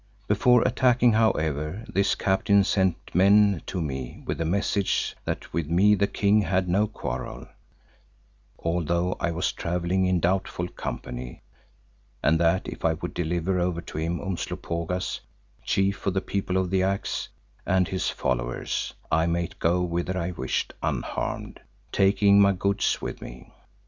Before attacking, however, this captain sent men to me with the message that with me the King had no quarrel, although I was travelling in doubtful company, and that if I would deliver over to him Umslopogaas, Chief of the People of the Axe, and his followers, I might go whither I wished unharmed, taking my goods with me.